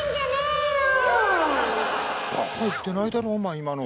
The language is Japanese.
ばか言ってないだろお前今の。